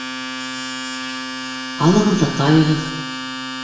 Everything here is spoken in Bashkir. Алығыҙ ҙа тайығыҙ.